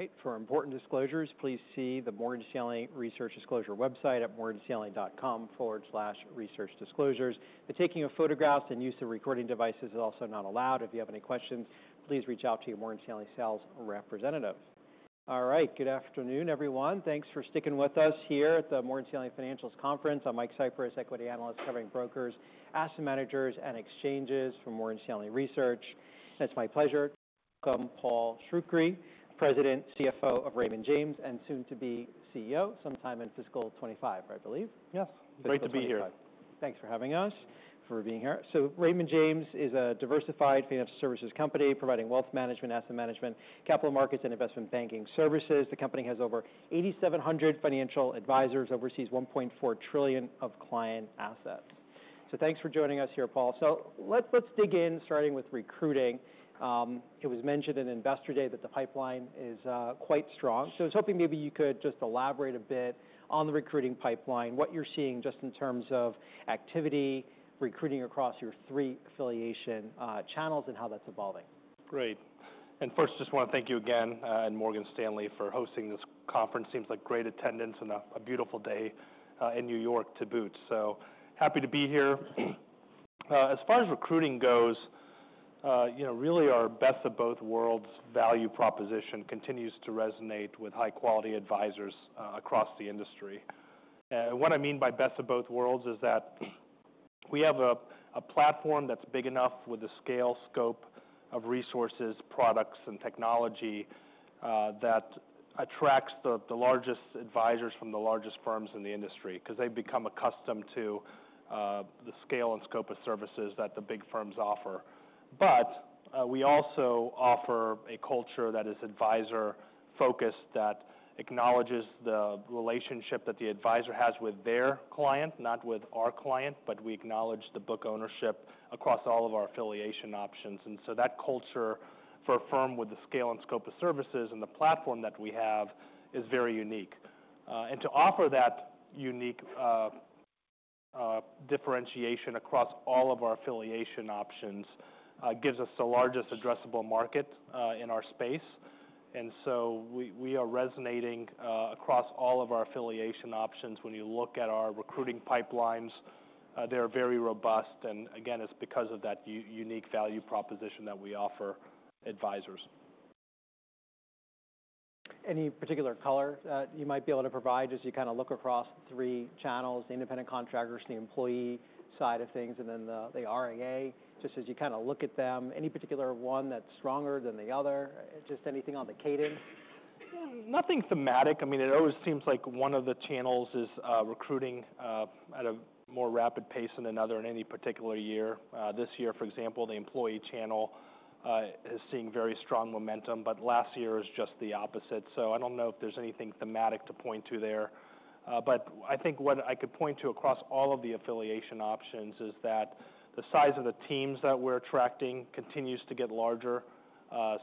All right. For important disclosures, please see the Morgan Stanley Research Disclosure website at morganstanley.com/researchdisclosures. The taking of photographs and use of recording devices is also not allowed. If you have any questions, please reach out to your Morgan Stanley sales representative. All right. Good afternoon, everyone. Thanks for sticking with us here at the Morgan Stanley Financials Conference. I'm Mike Cyprys, equity analyst covering brokers, asset managers, and exchanges for Morgan Stanley Research. It's my pleasure to welcome Paul Shoukry, President, CFO of Raymond James, and soon to be CEO, sometime in fiscal 2025, I believe. Yes. Great to be here. Thanks for having us, for being here. So Raymond James is a diversified financial services company providing wealth management, asset management, capital markets, and investment banking services. The company has over 8,700 financial advisors, oversees $1.4 trillion of client assets. So thanks for joining us here, Paul. So let's dig in, starting with recruiting. It was mentioned at Investor Day that the pipeline is quite strong. So I was hoping maybe you could just elaborate a bit on the recruiting pipeline, what you're seeing just in terms of activity, recruiting across your three affiliation channels, and how that's evolving. Great. First, just want to thank you again and Morgan Stanley for hosting this conference. Seems like great attendance and a beautiful day in New York to boot. So happy to be here. As far as recruiting goes, really our Best of Both Worlds value proposition continues to resonate with high-quality advisors across the industry. What I mean by Best of Both Worlds is that we have a platform that's big enough with the scale, scope of resources, products, and technology that attracts the largest advisors from the largest firms in the industry because they've become accustomed to the scale and scope of services that the big firms offer. We also offer a culture that is advisor-focused that acknowledges the relationship that the advisor has with their client, not with our client, but we acknowledge the book ownership across all of our affiliation options. And so that culture for a firm with the scale and scope of services and the platform that we have is very unique. And to offer that unique differentiation across all of our affiliation options gives us the largest addressable market in our space. And so we are resonating across all of our affiliation options. When you look at our recruiting pipelines, they're very robust. And again, it's because of that unique value proposition that we offer advisors. Any particular color that you might be able to provide as you kind of look across the three channels, the independent contractors, the employee side of things, and then the RIA, just as you kind of look at them? Any particular one that's stronger than the other? Just anything on the cadence? Nothing thematic. I mean, it always seems like one of the channels is recruiting at a more rapid pace than another in any particular year. This year, for example, the employee channel is seeing very strong momentum, but last year is just the opposite. So I don't know if there's anything thematic to point to there. But I think what I could point to across all of the affiliation options is that the size of the teams that we're attracting continues to get larger.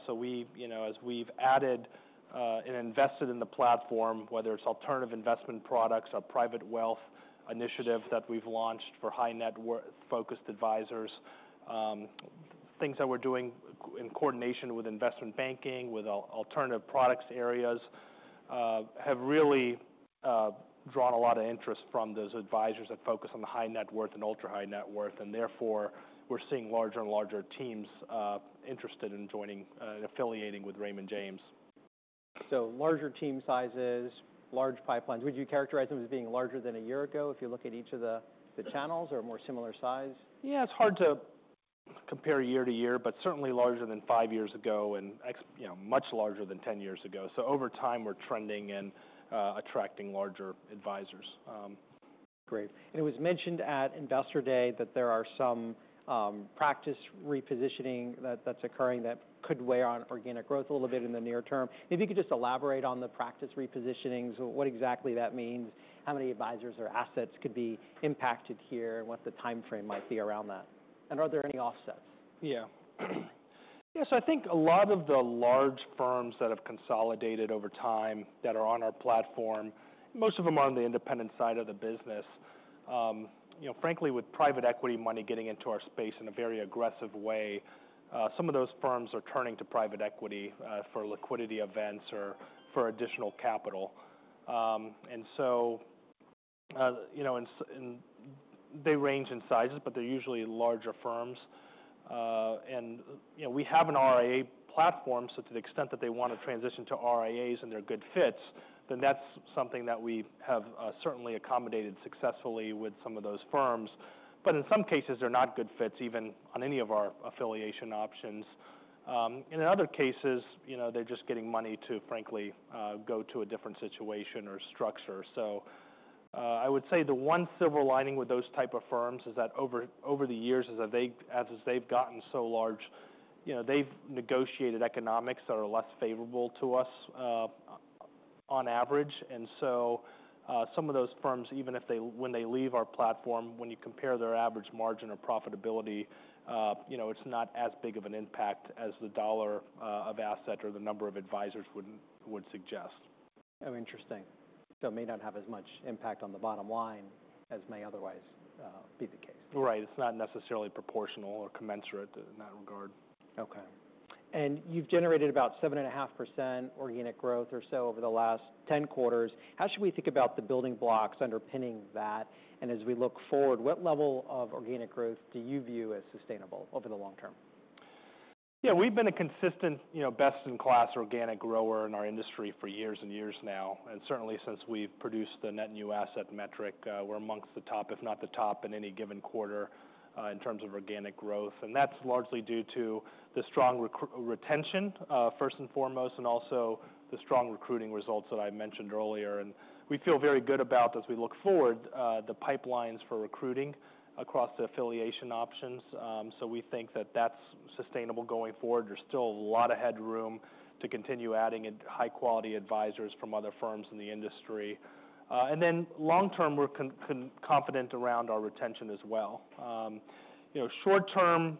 So as we've added and invested in the platform, whether it's alternative investment products, our Private Wealth initiative that we've launched for high-net-worth focused advisors, things that we're doing in coordination with investment banking, with alternative products areas, have really drawn a lot of interest from those advisors that focus on the high net worth and ultra high net worth. Therefore, we're seeing larger and larger teams interested in joining and affiliating with Raymond James. So larger team sizes, large pipelines. Would you characterize them as being larger than a year ago if you look at each of the channels or a more similar size? Yeah, it's hard to compare year to year, but certainly larger than five years ago and much larger than 10 years ago. So over time, we're trending and attracting larger advisors. Great. It was mentioned at Investor Day that there are some practice repositioning that's occurring that could weigh on organic growth a little bit in the near term. Maybe you could just elaborate on the practice repositionings, what exactly that means, how many advisors or assets could be impacted here, and what the timeframe might be around that. Are there any offsets? Yeah. Yeah, so I think a lot of the large firms that have consolidated over time that are on our platform, most of them are on the independent side of the business. Frankly, with private equity money getting into our space in a very aggressive way, some of those firms are turning to private equity for liquidity events or for additional capital. And so they range in sizes, but they're usually larger firms. And we have an RIA platform, so to the extent that they want to transition to RIAs and they're good fits, then that's something that we have certainly accommodated successfully with some of those firms. But in some cases, they're not good fits even on any of our affiliation options. And in other cases, they're just getting money to, frankly, go to a different situation or structure. So I would say the one silver lining with those type of firms is that over the years, as they've gotten so large, they've negotiated economics that are less favorable to us on average. And so some of those firms, even when they leave our platform, when you compare their average margin or profitability, it's not as big of an impact as the dollar of asset or the number of advisors would suggest. Oh, interesting. So it may not have as much impact on the bottom line as may otherwise be the case. Right. It's not necessarily proportional or commensurate in that regard. Okay. And you've generated about 7.5% organic growth or so over the last 10 quarters. How should we think about the building blocks underpinning that? As we look forward, what level of organic growth do you view as sustainable over the long term? Yeah, we've been a consistent best-in-class organic grower in our industry for years and years now. And certainly since we've produced the net new asset metric, we're among the top, if not the top, in any given quarter in terms of organic growth. And that's largely due to the strong retention, first and foremost, and also the strong recruiting results that I mentioned earlier. And we feel very good about, as we look forward, the pipelines for recruiting across the affiliation options. So we think that that's sustainable going forward. There's still a lot of headroom to continue adding high-quality advisors from other firms in the industry. And then long term, we're confident around our retention as well. Short term,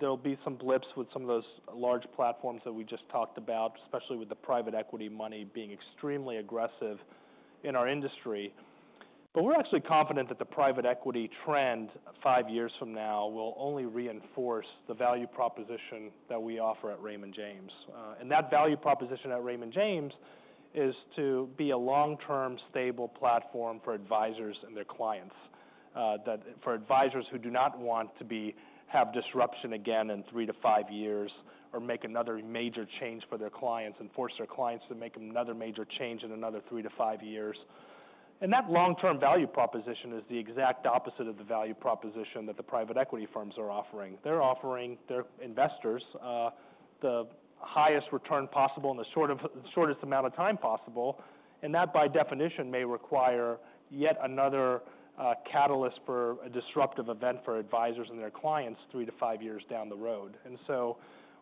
there'll be some blips with some of those large platforms that we just talked about, especially with the private equity money being extremely aggressive in our industry. But we're actually confident that the private equity trend five years from now will only reinforce the value proposition that we offer at Raymond James. And that value proposition at Raymond James is to be a long-term stable platform for advisors and their clients, for advisors who do not want to have disruption again in three to five years or make another major change for their clients and force their clients to make another major change in another three to five years. And that long-term value proposition is the exact opposite of the value proposition that the private equity firms are offering. They're offering their investors the highest return possible in the shortest amount of time possible. And that, by definition, may require yet another catalyst for a disruptive event for advisors and their clients three to five years down the road. And so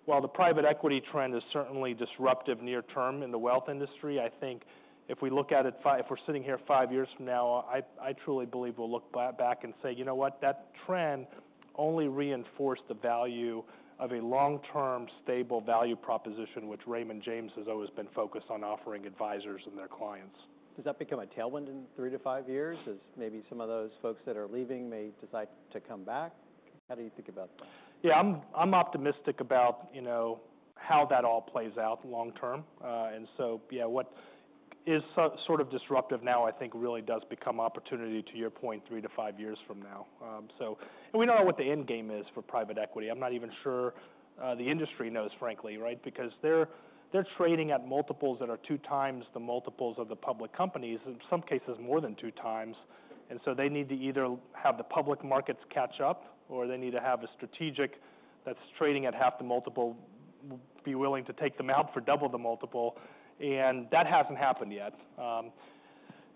while the private equity trend is certainly disruptive near-term in the wealth industry, I think if we look at it, if we're sitting here five years from now, I truly believe we'll look back and say, you know what, that trend only reinforced the value of a long-term stable value proposition, which Raymond James has always been focused on offering advisors and their clients. Does that become a tailwind in 3-5 years as maybe some of those folks that are leaving may decide to come back? How do you think about that? Yeah, I'm optimistic about how that all plays out long term. And so, yeah, what is sort of disruptive now, I think, really does become opportunity, to your point, three to five years from now. And we don't know what the end game is for private equity. I'm not even sure the industry knows, frankly, right, because they're trading at multiples that are two times the multiples of the public companies, in some cases more than two times. And so they need to either have the public markets catch up or they need to have a strategic that's trading at half the multiple be willing to take them out for double the multiple. And that hasn't happened yet.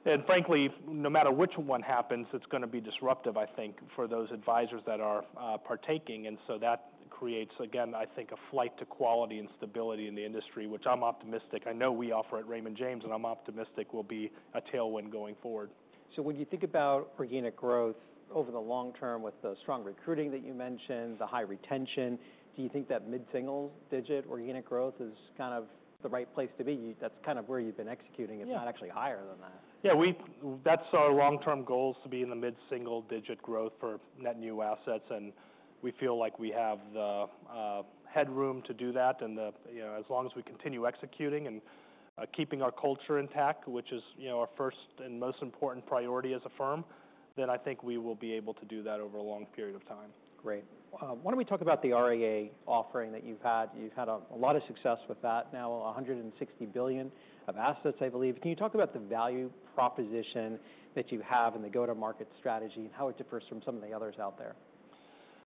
And frankly, no matter which one happens, it's going to be disruptive, I think, for those advisors that are partaking. And so that creates, again, I think, a flight to quality and stability in the industry, which I'm optimistic. I know we offer at Raymond James, and I'm optimistic will be a tailwind going forward. So when you think about organic growth over the long term with the strong recruiting that you mentioned, the high retention, do you think that mid-single digit organic growth is kind of the right place to be? That's kind of where you've been executing. It's not actually higher than that. Yeah, that's our long-term goal is to be in the mid-single digit growth for net new assets. And we feel like we have the headroom to do that. And as long as we continue executing and keeping our culture intact, which is our first and most important priority as a firm, then I think we will be able to do that over a long period of time. Great. Why don't we talk about the RIA offering that you've had? You've had a lot of success with that now, $160 billion of assets, I believe. Can you talk about the value proposition that you have and the go-to-market strategy and how it differs from some of the others out there?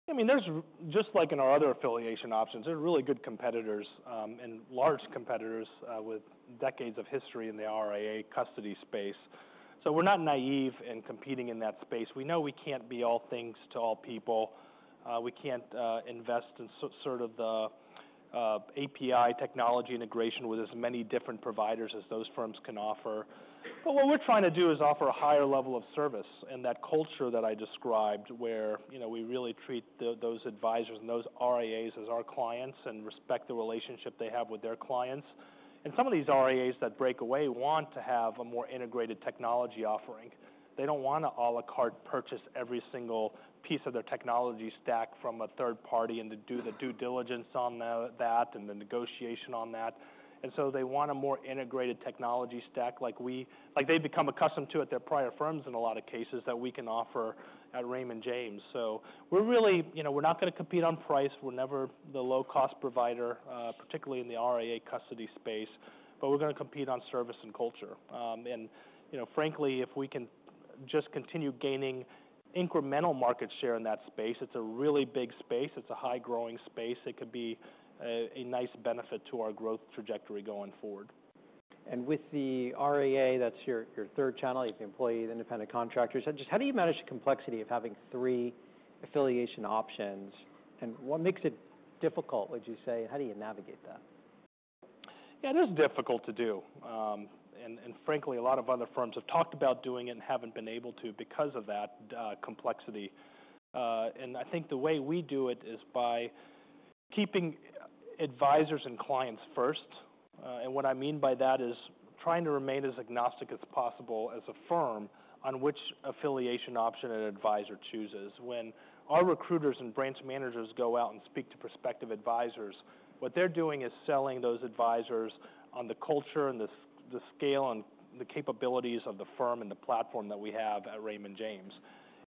Yeah, I mean, there's just like in our other affiliation options, there are really good competitors and large competitors with decades of history in the RIA custody space. So we're not naive in competing in that space. We know we can't be all things to all people. We can't invest in sort of the API technology integration with as many different providers as those firms can offer. But what we're trying to do is offer a higher level of service and that culture that I described where we really treat those advisors and those RIAs as our clients and respect the relationship they have with their clients. And some of these RIAs that break away want to have a more integrated technology offering. They don't want to à la carte purchase every single piece of their technology stack from a third party and to do the due diligence on that and the negotiation on that. So they want a more integrated technology stack like we've become accustomed to at their prior firms in a lot of cases that we can offer at Raymond James. So we're really, we're not going to compete on price. We're never the low-cost provider, particularly in the RIA custody space, but we're going to compete on service and culture. Frankly, if we can just continue gaining incremental market share in that space, it's a really big space. It's a high-growing space. It could be a nice benefit to our growth trajectory going forward. With the RIA, that's your third channel, you're the employee, the independent contractor. Just how do you manage the complexity of having three affiliation options? What makes it difficult, would you say? How do you navigate that? Yeah, it is difficult to do. And frankly, a lot of other firms have talked about doing it and haven't been able to because of that complexity. And I think the way we do it is by keeping advisors and clients first. And what I mean by that is trying to remain as agnostic as possible as a firm on which affiliation option an advisor chooses. When our recruiters and branch managers go out and speak to prospective advisors, what they're doing is selling those advisors on the culture and the scale and the capabilities of the firm and the platform that we have at Raymond James.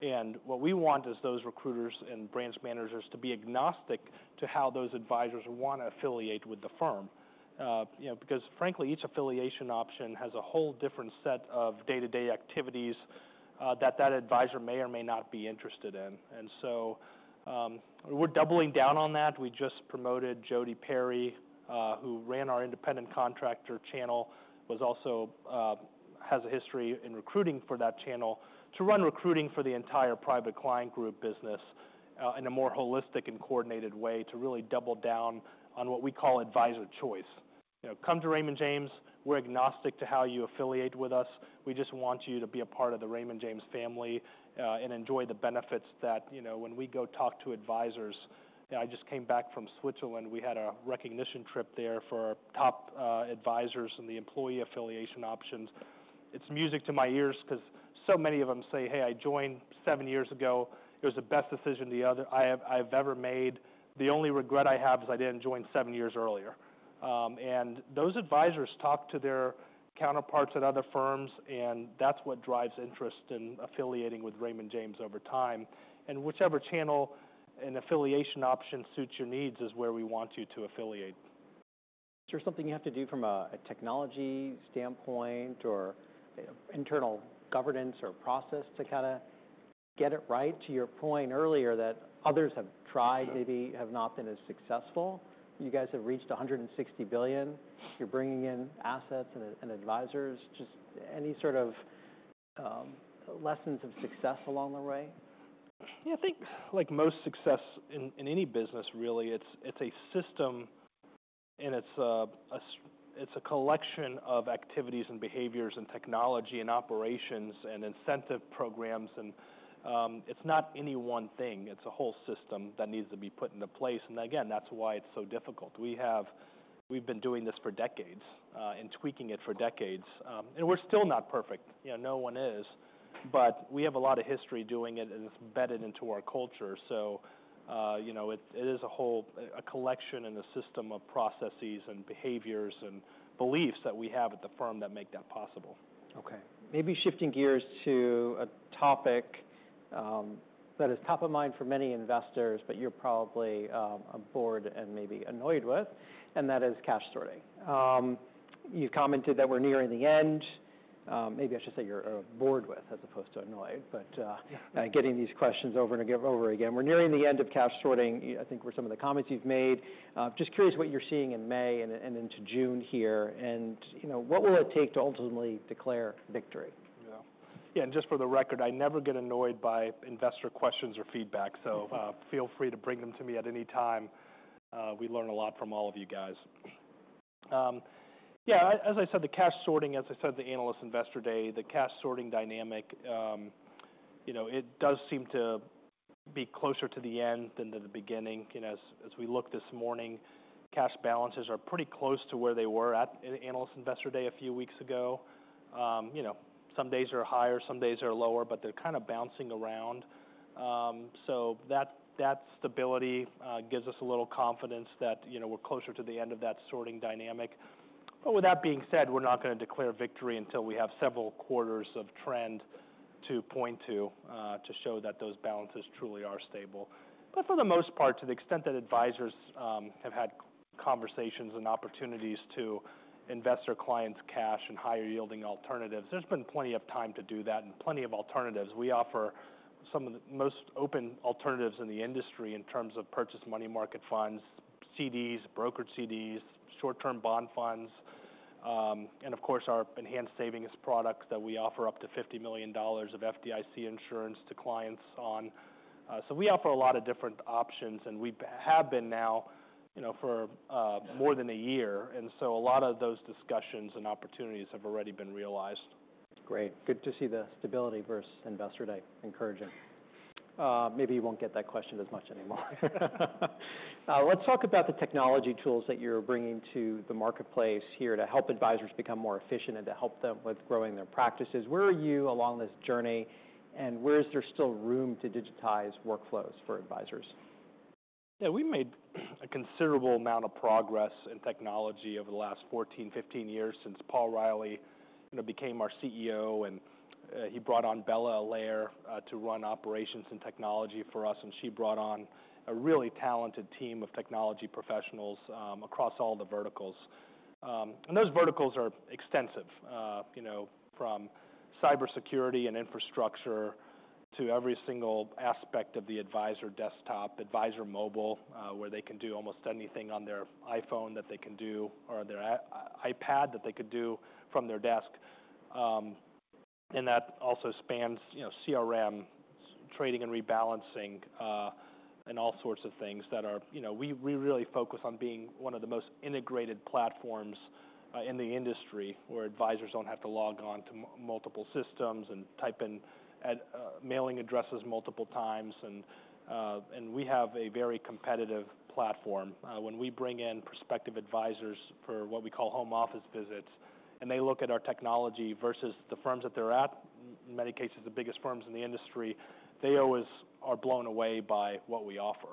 And what we want is those recruiters and branch managers to be agnostic to how those advisors want to affiliate with the firm. Because frankly, each affiliation option has a whole different set of day-to-day activities that that advisor may or may not be interested in. And so we're doubling down on that. We just promoted Jodi Perry, who ran our independent contractor channel, has a history in recruiting for that channel to run recruiting for the entire Private Client Group business in a more holistic and coordinated way to really double down on what we call advisor choice. Come to Raymond James. We're agnostic to how you affiliate with us. We just want you to be a part of the Raymond James family and enjoy the benefits that when we go talk to advisors. I just came back from Switzerland. We had a recognition trip there for top advisors and the employee affiliation options. It's music to my ears because so many of them say, "Hey, I joined seven years ago. It was the best decision I've ever made. The only regret I have is I didn't join seven years earlier." Those advisors talk to their counterparts at other firms, and that's what drives interest in affiliating with Raymond James over time. Whichever channel and affiliation option suits your needs is where we want you to affiliate. Is there something you have to do from a technology standpoint or internal governance or process to kind of get it right to your point earlier that others have tried, maybe have not been as successful? You guys have reached $160 billion. You're bringing in assets and advisors. Just any sort of lessons of success along the way? Yeah, I think like most success in any business, really, it's a system and it's a collection of activities and behaviors and technology and operations and incentive programs. It's not any one thing. It's a whole system that needs to be put into place. Again, that's why it's so difficult. We've been doing this for decades and tweaking it for decades. We're still not perfect. No one is. We have a lot of history doing it, and it's embedded into our culture. It is a whole collection and a system of processes and behaviors and beliefs that we have at the firm that make that possible. Okay. Maybe shifting gears to a topic that is top of mind for many investors, but you're probably bored and maybe annoyed with, and that is cash sorting. You've commented that we're nearing the end. Maybe I should say you're bored with as opposed to annoyed, but getting these questions over and over again. We're nearing the end of cash sorting. I think we're some of the comments you've made. Just curious what you're seeing in May and into June here. And what will it take to ultimately declare victory? Yeah. Yeah. And just for the record, I never get annoyed by investor questions or feedback. So feel free to bring them to me at any time. We learn a lot from all of you guys. Yeah. As I said, the cash sorting, as I said, the Analyst Investor Day, the cash sorting dynamic, it does seem to be closer to the end than to the beginning. As we look this morning, cash balances are pretty close to where they were at Analyst Investor Day a few weeks ago. Some days are higher, some days are lower, but they're kind of bouncing around. So that stability gives us a little confidence that we're closer to the end of that sorting dynamic. But with that being said, we're not going to declare victory until we have several quarters of trend to point to to show that those balances truly are stable. For the most part, to the extent that advisors have had conversations and opportunities to invest their clients' cash in higher yielding alternatives, there's been plenty of time to do that and plenty of alternatives. We offer some of the most open alternatives in the industry in terms of purchased money market funds, CDs, brokered CDs, short-term bond funds, and of course, our enhanced savings products that we offer up to $50 million of FDIC insurance to clients on. We offer a lot of different options, and we have been now for more than a year. So a lot of those discussions and opportunities have already been realized. Great. Good to see the stability versus investor day. Encouraging. Maybe you won't get that question as much anymore. Let's talk about the technology tools that you're bringing to the marketplace here to help advisors become more efficient and to help them with growing their practices. Where are you along this journey? And where is there still room to digitize workflows for advisors? Yeah, we've made a considerable amount of progress in technology over the last 14, 15 years since Paul Reilly became our CEO. He brought on Bella Allaire to run operations and technology for us. She brought on a really talented team of technology professionals across all the verticals. Those verticals are extensive from cybersecurity and infrastructure to every single aspect of the advisor desktop, advisor mobile, where they can do almost anything on their iPhone that they can do or their iPad that they could do from their desk. That also spans CRM, trading and rebalancing, and all sorts of things that we really focus on being one of the most integrated platforms in the industry where advisors don't have to log on to multiple systems and type in mailing addresses multiple times. We have a very competitive platform. When we bring in prospective advisors for what we call home office visits, and they look at our technology versus the firms that they're at, in many cases, the biggest firms in the industry, they always are blown away by what we offer.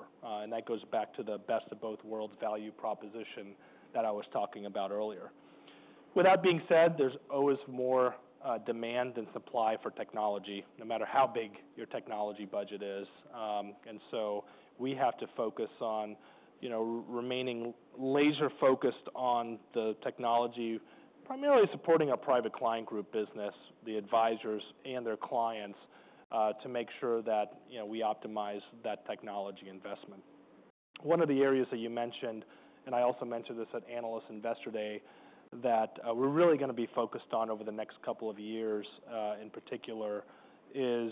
That goes back to the Best of Both Worlds value proposition that I was talking about earlier. With that being said, there's always more demand than supply for technology, no matter how big your technology budget is. So we have to focus on remaining laser-focused on the technology, primarily supporting our Private Client Group business, the advisors and their clients to make sure that we optimize that technology investment. One of the areas that you mentioned, and I also mentioned this at Analyst Investor Day, that we're really going to be focused on over the next couple of years in particular is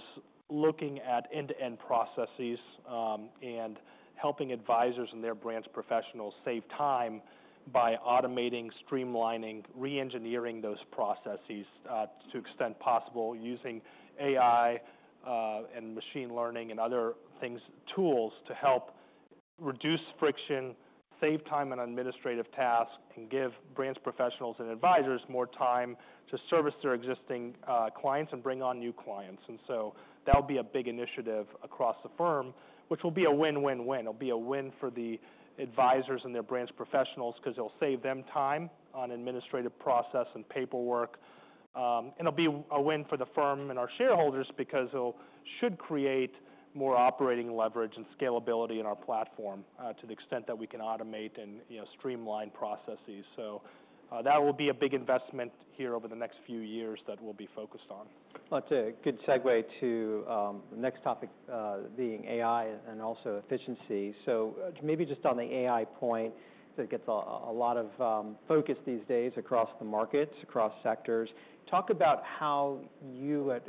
looking at end-to-end processes and helping advisors and their branch professionals save time by automating, streamlining, re-engineering those processes to extent possible using AI and machine learning and other tools to help reduce friction, save time on administrative tasks, and give branch professionals and advisors more time to service their existing clients and bring on new clients. And so that'll be a big initiative across the firm, which will be a win-win-win. It'll be a win for the advisors and their branch professionals because it'll save them time on administrative process and paperwork. It'll be a win for the firm and our shareholders because it should create more operating leverage and scalability in our platform to the extent that we can automate and streamline processes. That will be a big investment here over the next few years that we'll be focused on. That's a good segue to the next topic being AI and also efficiency. So maybe just on the AI point, because it gets a lot of focus these days across the markets, across sectors. Talk about how you at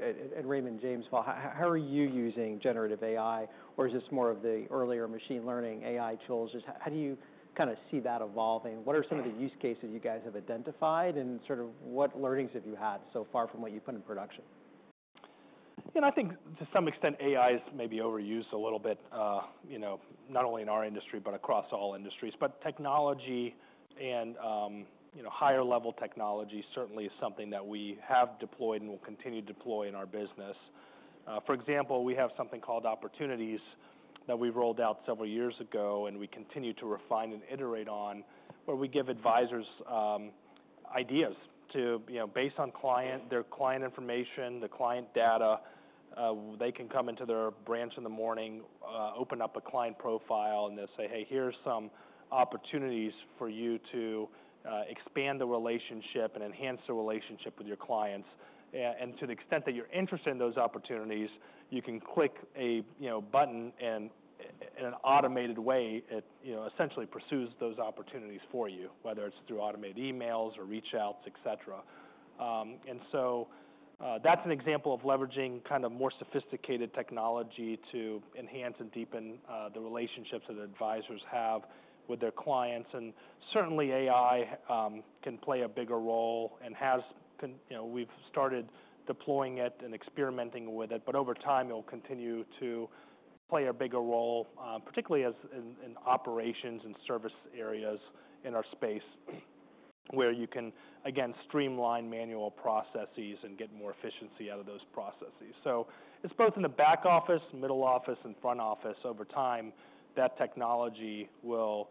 Raymond James, how are you using generative AI, or is this more of the earlier machine learning AI tools? How do you kind of see that evolving? What are some of the use cases you guys have identified and sort of what learnings have you had so far from what you put in production? Yeah, I think to some extent AI is maybe overused a little bit, not only in our industry, but across all industries. But technology and higher-level technology certainly is something that we have deployed and will continue to deploy in our business. For example, we have something called Opportunities that we rolled out several years ago, and we continue to refine and iterate on where we give advisors ideas based on their client information, the client data. They can come into their branch in the morning, open up a client profile, and they'll say, "Hey, here's some opportunities for you to expand the relationship and enhance the relationship with your clients." To the extent that you're interested in those opportunities, you can click a button, and in an automated way, it essentially pursues those opportunities for you, whether it's through automated emails or reach outs, etc. That's an example of leveraging kind of more sophisticated technology to enhance and deepen the relationships that advisors have with their clients. Certainly, AI can play a bigger role and has been, we've started deploying it and experimenting with it. Over time, it will continue to play a bigger role, particularly in operations and service areas in our space where you can, again, streamline manual processes and get more efficiency out of those processes. It's both in the back office, middle office, and front office. Over time, that technology will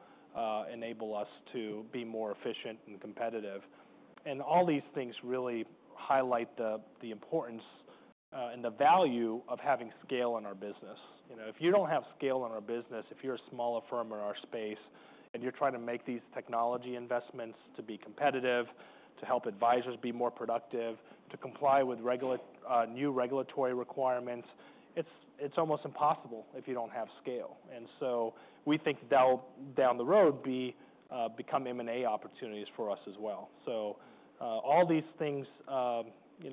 enable us to be more efficient and competitive. All these things really highlight the importance and the value of having scale in our business. If you don't have scale in our business, if you're a smaller firm in our space and you're trying to make these technology investments to be competitive, to help advisors be more productive, to comply with new regulatory requirements, it's almost impossible if you don't have scale. And so we think that'll, down the road, become M&A opportunities for us as well. So all these things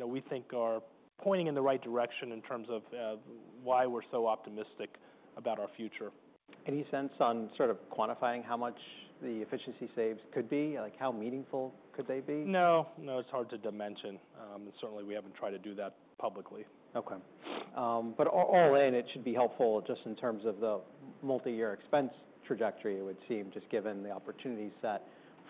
we think are pointing in the right direction in terms of why we're so optimistic about our future. Any sense on sort of quantifying how much the efficiency saves could be? Like, how meaningful could they be? No. No, it's hard to dimension. And certainly, we haven't tried to do that publicly. Okay. But all in, it should be helpful just in terms of the multi-year expense trajectory, it would seem, just given the opportunities set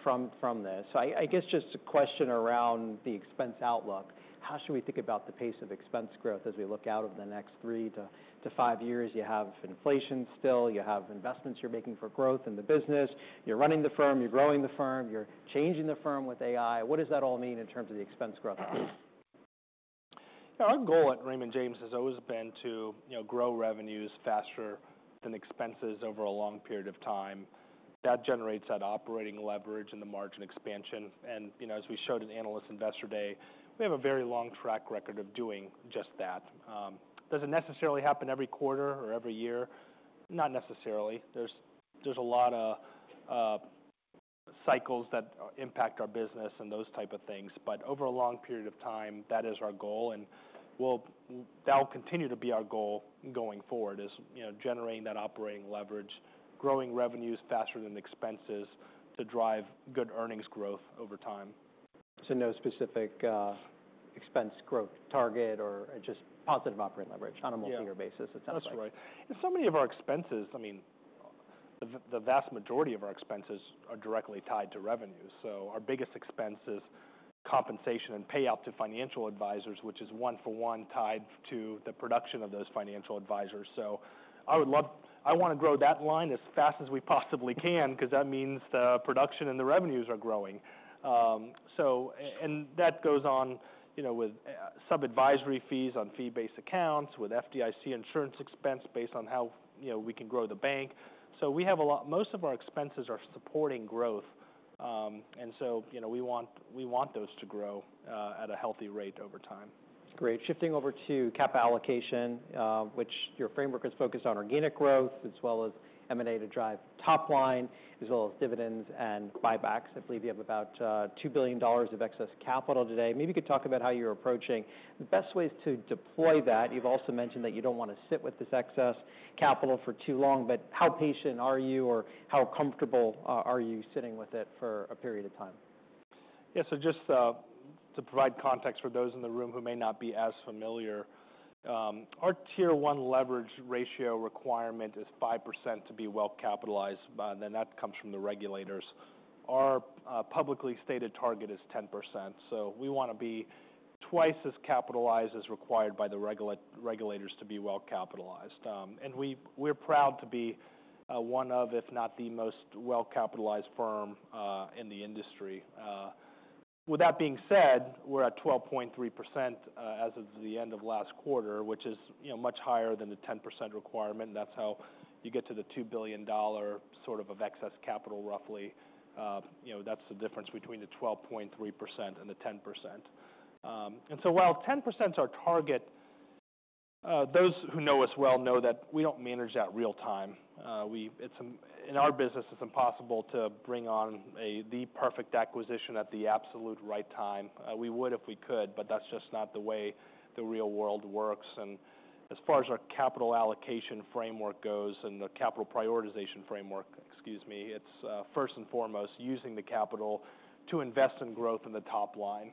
from this. So I guess just a question around the expense outlook. How should we think about the pace of expense growth as we look out over the next three-to-five years? You have inflation still. You have investments you're making for growth in the business. You're running the firm. You're growing the firm. You're changing the firm with AI. What does that all mean in terms of the expense growth? Yeah. Our goal at Raymond James has always been to grow revenues faster than expenses over a long period of time. That generates that operating leverage and the margin expansion. And as we showed at Analyst Investor Day, we have a very long track record of doing just that. Does it necessarily happen every quarter or every year? Not necessarily. There's a lot of cycles that impact our business and those type of things. But over a long period of time, that is our goal. And that'll continue to be our goal going forward is generating that operating leverage, growing revenues faster than expenses to drive good earnings growth over time. No specific expense growth target or just positive operating leverage on a multi-year basis, etc. That's right. And so many of our expenses, I mean, the vast majority of our expenses are directly tied to revenues. So our biggest expense is compensation and payout to financial advisors, which is one-for-one tied to the production of those financial advisors. So I would love, I want to grow that line as fast as we possibly can because that means the production and the revenues are growing. And that goes on with sub-advisory fees on fee-based accounts, with FDIC insurance expense based on how we can grow the bank. So we have a lot, most of our expenses are supporting growth. And so we want those to grow at a healthy rate over time. Great. Shifting over to capital allocation, which your framework is focused on organic growth as well as M&A to drive top line, as well as dividends and buybacks. I believe you have about $2 billion of excess capital today. Maybe you could talk about how you're approaching the best ways to deploy that. You've also mentioned that you don't want to sit with this excess capital for too long. But how patient are you, or how comfortable are you sitting with it for a period of time? Yeah. So just to provide context for those in the room who may not be as familiar, our Tier 1 Leverage Ratio requirement is 5% to be well capitalized. Then that comes from the regulators. Our publicly stated target is 10%. So we want to be twice as capitalized as required by the regulators to be well capitalized. And we're proud to be one of, if not the most well capitalized firm in the industry. With that being said, we're at 12.3% as of the end of last quarter, which is much higher than the 10% requirement. And that's how you get to the $2 billion sort of of excess capital, roughly. That's the difference between the 12.3% and the 10%. And so while 10% is our target, those who know us well know that we don't manage that real time. In our business, it's impossible to bring on the perfect acquisition at the absolute right time. We would if we could, but that's just not the way the real world works. And as far as our capital allocation framework goes and the capital prioritization framework, excuse me, it's first and foremost using the capital to invest in growth in the top line.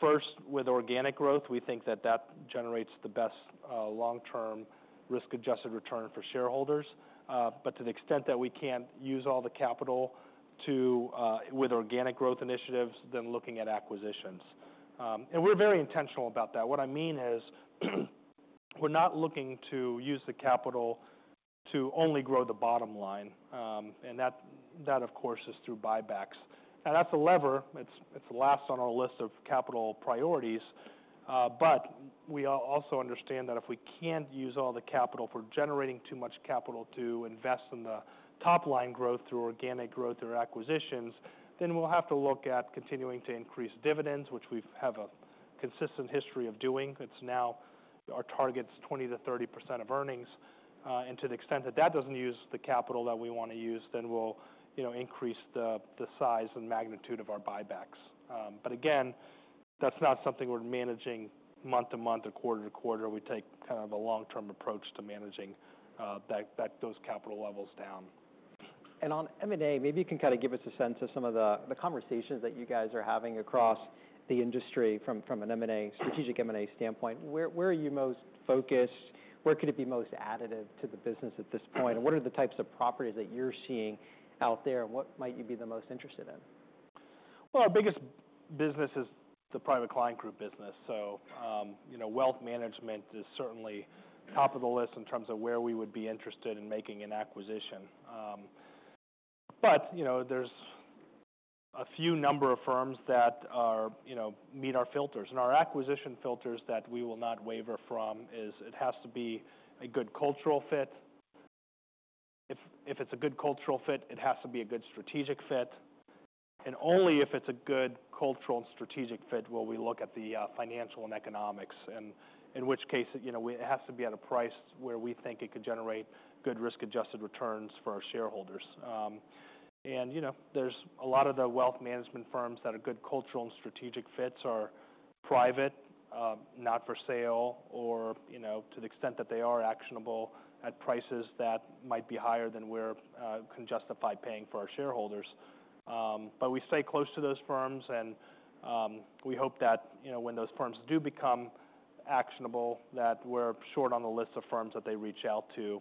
First, with organic growth, we think that that generates the best long-term risk-adjusted return for shareholders. But to the extent that we can't use all the capital with organic growth initiatives, then looking at acquisitions. And we're very intentional about that. What I mean is we're not looking to use the capital to only grow the bottom line. And that, of course, is through buybacks. Now, that's a lever. It's the last on our list of capital priorities. We also understand that if we can't use all the capital for generating too much capital to invest in the top line growth through organic growth or acquisitions, then we'll have to look at continuing to increase dividends, which we have a consistent history of doing. It's now our target's 20%-30% of earnings. To the extent that that doesn't use the capital that we want to use, then we'll increase the size and magnitude of our buybacks. But again, that's not something we're managing month to month or quarter to quarter. We take kind of a long-term approach to managing those capital levels down. On M&A, maybe you can kind of give us a sense of some of the conversations that you guys are having across the industry from an M&A, strategic M&A standpoint. Where are you most focused? Where could it be most additive to the business at this point? And what are the types of properties that you're seeing out there, and what might you be the most interested in? Well, our biggest business is the Private Client Group business. So wealth management is certainly top of the list in terms of where we would be interested in making an acquisition. But there's a few number of firms that meet our filters. And our acquisition filters that we will not waver from is it has to be a good cultural fit. If it's a good cultural fit, it has to be a good strategic fit. And only if it's a good cultural and strategic fit will we look at the financial and economics, in which case it has to be at a price where we think it could generate good risk-adjusted returns for our shareholders. And there's a lot of the wealth management firms that are good cultural and strategic fits are private, not for sale, or to the extent that they are actionable at prices that might be higher than we can justify paying for our shareholders. But we stay close to those firms, and we hope that when those firms do become actionable, that we're short on the list of firms that they reach out to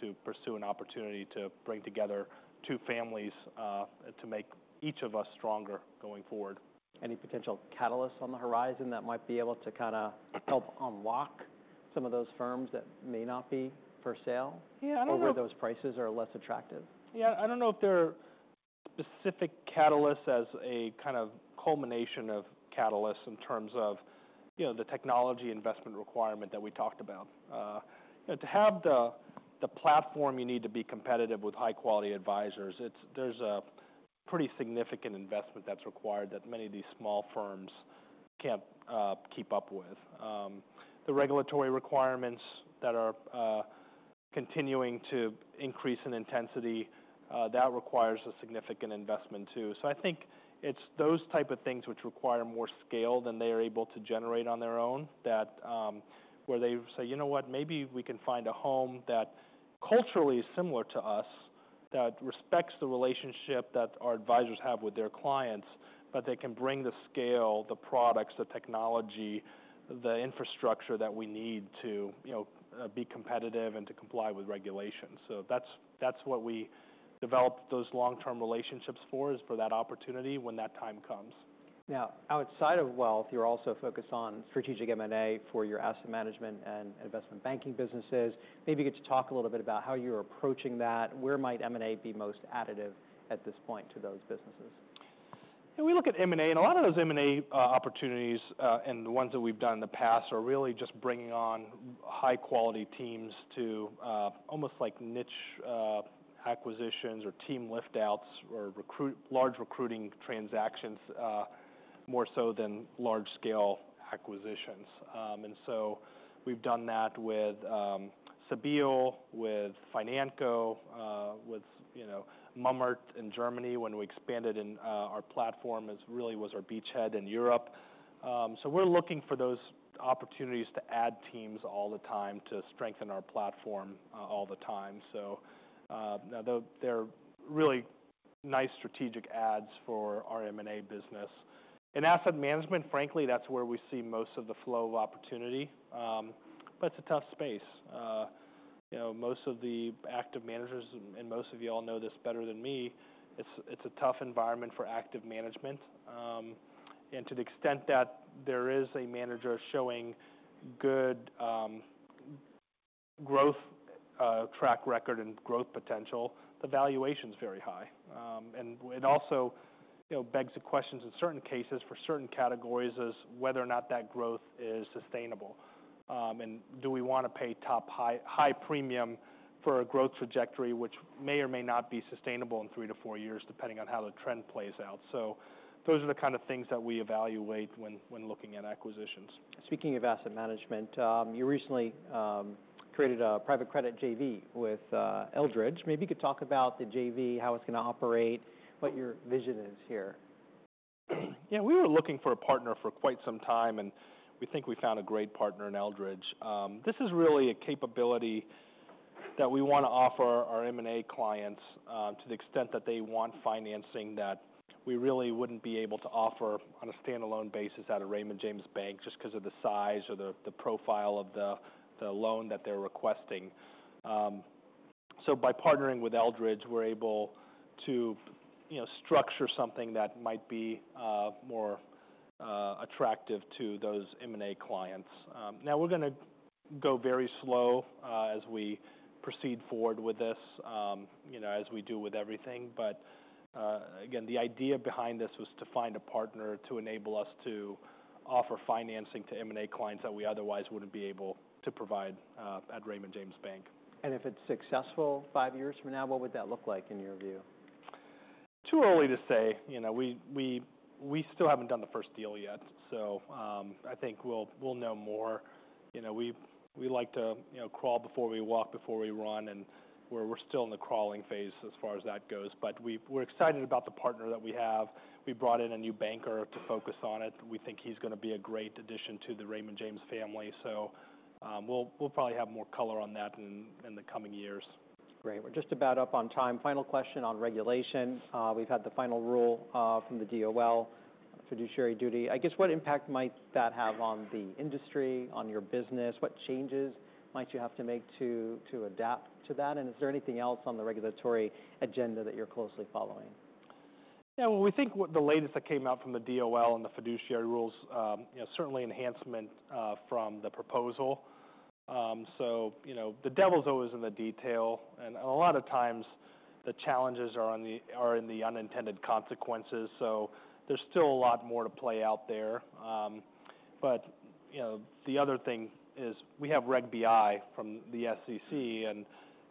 to pursue an opportunity to bring together two families to make each of us stronger going forward. Any potential catalysts on the horizon that might be able to kind of help unlock some of those firms that may not be for sale or where those prices are less attractive? Yeah. I don't know if there are specific catalysts as a kind of culmination of catalysts in terms of the technology investment requirement that we talked about. To have the platform, you need to be competitive with high-quality advisors. There's a pretty significant investment that's required that many of these small firms can't keep up with. The regulatory requirements that are continuing to increase in intensity, that requires a significant investment too. So I think it's those type of things which require more scale than they are able to generate on their own where they say, "You know what? Maybe we can find a home that culturally is similar to us that respects the relationship that our advisors have with their clients, but they can bring the scale, the products, the technology, the infrastructure that we need to be competitive and to comply with regulations." So that's what we develop those long-term relationships for is for that opportunity when that time comes. Now, outside of wealth, you're also focused on strategic M&A for your asset management and investment banking businesses. Maybe you could talk a little bit about how you're approaching that. Where might M&A be most additive at this point to those businesses? Yeah. We look at M&A, and a lot of those M&A opportunities and the ones that we've done in the past are really just bringing on high-quality teams to almost like niche acquisitions or team liftouts or large recruiting transactions more so than large-scale acquisitions. And so we've done that with Cebile, with Financo, with Mummert in Germany when we expanded in our platform as really was our beachhead in Europe. So we're looking for those opportunities to add teams all the time to strengthen our platform all the time. So they're really nice strategic adds for our M&A business. In asset management, frankly, that's where we see most of the flow of opportunity. But it's a tough space. Most of the active managers, and most of you all know this better than me, it's a tough environment for active management. To the extent that there is a manager showing good growth track record and growth potential, the valuation is very high. It also begs the questions in certain cases for certain categories as to whether or not that growth is sustainable. Do we want to pay high premium for a growth trajectory which may or may not be sustainable in three to four years depending on how the trend plays out? Those are the kind of things that we evaluate when looking at acquisitions. Speaking of asset management, you recently created a private credit JV with Eldridge. Maybe you could talk about the JV, how it's going to operate, what your vision is here. Yeah. We were looking for a partner for quite some time, and we think we found a great partner in Eldridge. This is really a capability that we want to offer our M&A clients to the extent that they want financing that we really wouldn't be able to offer on a standalone basis at a Raymond James Bank just because of the size or the profile of the loan that they're requesting. So by partnering with Eldridge, we're able to structure something that might be more attractive to those M&A clients. Now, we're going to go very slow as we proceed forward with this as we do with everything. But again, the idea behind this was to find a partner to enable us to offer financing to M&A clients that we otherwise wouldn't be able to provide at Raymond James Bank. If it's successful five years from now, what would that look like in your view? Too early to say. We still haven't done the first deal yet. So I think we'll know more. We like to crawl before we walk, before we run, and we're still in the crawling phase as far as that goes. But we're excited about the partner that we have. We brought in a new banker to focus on it. We think he's going to be a great addition to the Raymond James family. So we'll probably have more color on that in the coming years. Great. We're just about up on time. Final question on regulation. We've had the final rule from the DOL, fiduciary duty. I guess what impact might that have on the industry, on your business? What changes might you have to make to adapt to that? And is there anything else on the regulatory agenda that you're closely following? Yeah. Well, we think the latest that came out from the DOL and the fiduciary rules, certainly enhancement from the proposal. So the devil's always in the detail. And a lot of times, the challenges are in the unintended consequences. So there's still a lot more to play out there. But the other thing is we have Reg BI from the SEC. And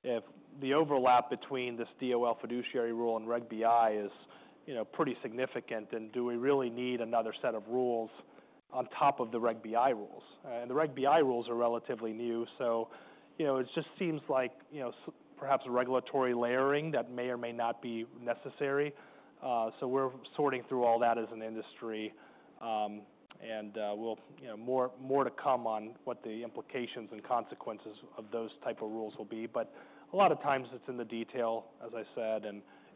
if the overlap between this DOL fiduciary rule and Reg BI is pretty significant, then do we really need another set of rules on top of the Reg BI rules? And the Reg BI rules are relatively new. So it just seems like perhaps a regulatory layering that may or may not be necessary. So we're sorting through all that as an industry. And more to come on what the implications and consequences of those type of rules will be. A lot of times, it's in the detail, as I said,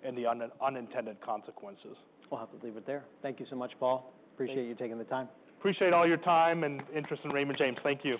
and the unintended consequences. We'll have to leave it there. Thank you so much, Paul. Appreciate you taking the time. Appreciate all your time and interest in Raymond James. Thank you.